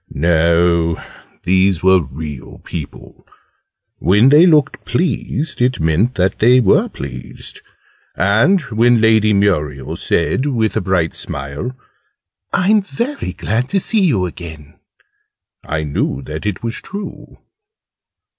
No, these were real people. When they looked pleased, it meant that they were pleased: and when Lady Muriel said, with a bright smile, "I'm very glad to see you again!", I knew that it was true.